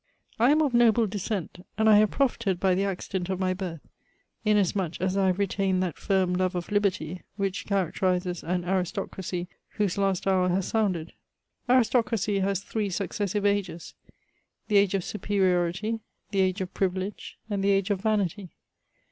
I am of noble descent ; and I have profited by the accident of my birth, inasmuch as I have retained that firm love of ^liberty which characterizes an aristocracy whose last hour / has sounded. Aristocracy has three successive ages : the age of superiority ; the age of privilege, and the age of vanity.